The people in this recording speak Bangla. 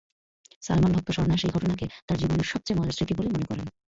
সালমান-ভক্ত স্বর্ণা সেই ঘটনাকে তাঁর জীবনের সবচেয়ে মজার স্মৃতি বলে মনে করেন।